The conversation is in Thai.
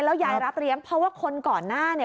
แล้วยายรับเลี้ยงเพราะว่าคนก่อนหน้าเนี่ย